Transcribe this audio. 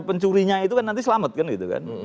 pencurinya itu kan nanti selamat kan gitu kan